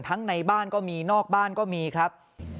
ในบ้านก็มีนอกบ้านก็มีครับ